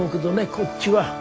こっちは。